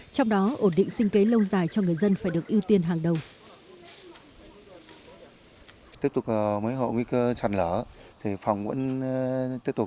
trong đó ổn định sinh kế lâu dài cho người dân phải được ưu tiên hàng đầu